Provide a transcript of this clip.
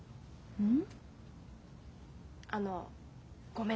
うん。